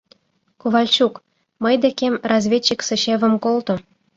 — Ковальчук, мый декем разведчик Сычевым колто.